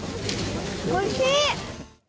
おいしい！